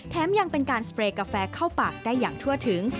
ยังเป็นการสเปรย์กาแฟเข้าปากได้อย่างทั่วถึง